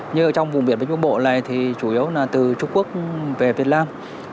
như ở trong vùng biển bến trung bộ này thì chủ yếu là từ trung quốc về việt nam